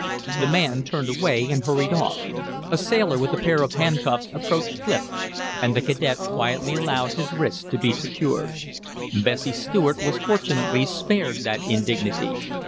The man turned away and hurried off. A sailor with a pair of handcuffs approached Clif, and the cadet quietly allowed his wrists to be secured. Bessie Stuart was fortunately spared that indignity.